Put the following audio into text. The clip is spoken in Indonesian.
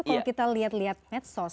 kalau kita lihat lihat medsos